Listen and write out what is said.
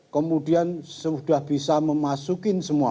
kemudian sudah bisa memasukin semua